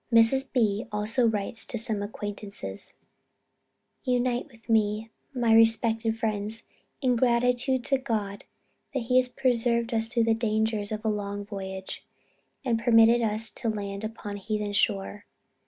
Mrs. B. also writes to some acquaintances, "Unite with me, my respected friends, in gratitude to God, that he has preserved us through the dangers of a long voyage, and permitted us to land upon a heathen shore.